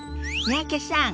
三宅さん。